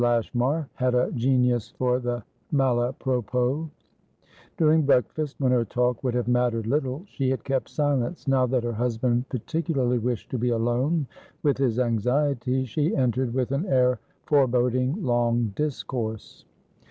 Lashmar had a genius for the malapropos. During breakfast, when her talk would have mattered little, she had kept silence; now that her husband particularly wished to be alone with his anxieties, she entered with an air forboding long discourse.